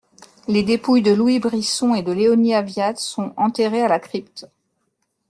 Les dépouilles de Louis Brisson et de Léonie Aviat sont enterrées à la crypte.